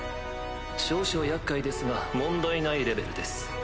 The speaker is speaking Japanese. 少々厄介ですが問題ないレベルです。